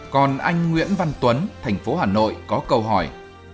còn anh nguyễn văn tuấn thành phố hà nội có câu hỏi